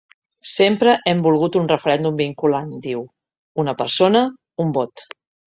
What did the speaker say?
Sempre hem volgut un referèndum vinculant –diu–: una persona, un vot.